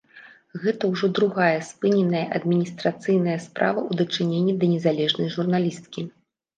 Гэта ўжо другая спыненая адміністрацыйная справа ў дачыненні да незалежнай журналісткі.